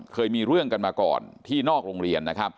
เคยมีเรื่องกันมาก่อนที่นอกโรงเรียนนะครับ